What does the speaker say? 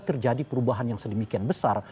terjadi perubahan yang sedemikian besar